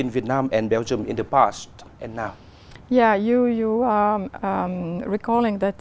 và rất quan trọng